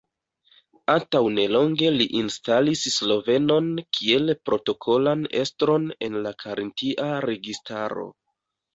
Antaŭ nelonge li instalis slovenon kiel protokolan estron en la karintia registaro.